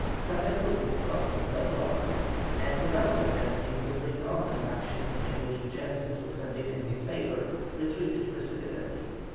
Santa Cruz thought himself lost, and without attempting to bring on an action in which the chances would have been in his favour, retreated precipitately.